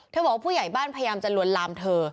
บอกว่าผู้ใหญ่บ้านพยายามจะลวนลามเธอ